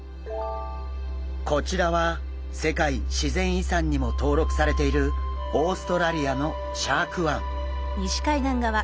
こちらは世界自然遺産にも登録されているオーストラリアのシャーク湾。